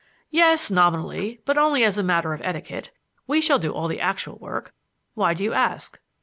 "Yes, nominally; but only as a matter of etiquette. We shall do all the actual work. Why do you ask?"